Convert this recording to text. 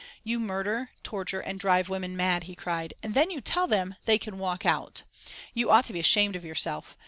"You murder, torture and drive women mad," he cried, "and then you tell them they can walk out. You ought to be ashamed of yourself.